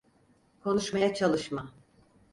Konuşmaya çalışma.